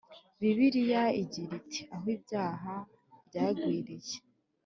Bibiliya igira iti “aho ibyaha byagwiriye